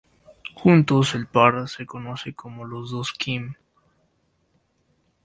Juntos, el par se conoce como "Los dos Kim".